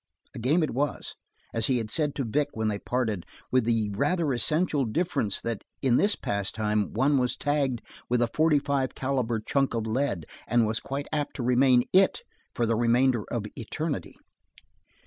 A game it was, as he had said to Vic when they parted, with the rather essential difference that in this pastime one was tagged with a forty five caliber chunk of lead and was quite apt to remain "it" for the remainder of eternity.